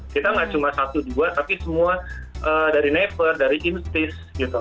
kita nggak cuma satu dua tapi semua dari naper dari instice gitu